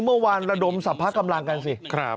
เมื่อวานระดมศพกำลังกันสิ